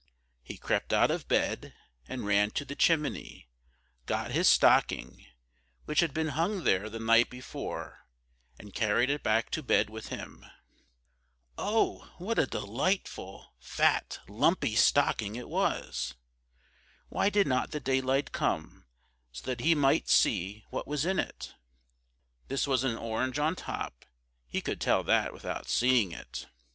He crept out of bed and ran to the chimney, got his stocking, which had been hung there the night before, and carried it back to bed with him. Oh, what a delightful fat, lumpy stocking it was! Why did not the daylight come, so that he might see what was in it? This was an orange on top; he could tell that without seeing it.